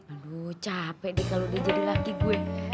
aduh capek deh kalau udah jadi laki gue